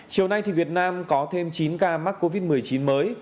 chiều nay việt nam có thêm chín ca mắc covid một mươi chín mới